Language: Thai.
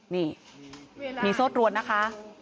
นี่มีโซ่ตรวนนะคะ